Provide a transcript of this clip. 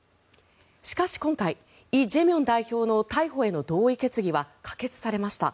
しかし、今回イ・ジェミョン代表の逮捕への同意決議は可決されました。